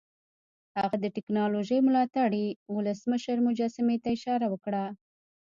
هغه د ټیکنالوژۍ ملاتړي ولسمشر مجسمې ته اشاره وکړه